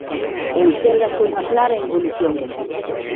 Enxérgase unha clara involución.